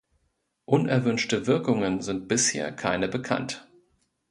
Unerwünschte Wirkungen sind bisher keine bekannt.